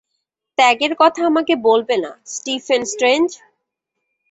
ত্যাগের কথা আমাকে বলবে না, স্টিফেন স্ট্রেঞ্জ।